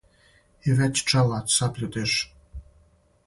И већ џелат сабљу диже